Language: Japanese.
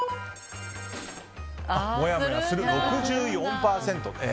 もやもやする、６４％。